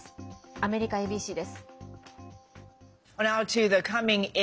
アメリカＡＢＣです。